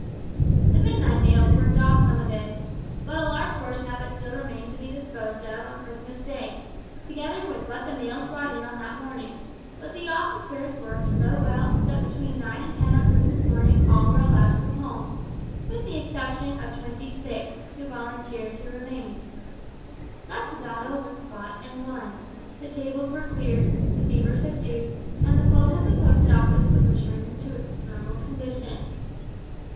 The midnight mails worked off some of this, but a large portion of it still remained to be disposed of on Christmas day, together with what the mails brought in on that morning, but the officers worked so well that between nine and ten on Christmas morning all were allowed to go home, with the exception of twenty six, who volunteered to remain. Thus the battle was fought and won; the tables were cleared; the fever was subdued; and the pulse of the Post Office was reduced to its normal condition.